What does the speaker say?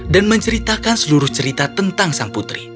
dan menceritakan seluruh cerita tentang sang putri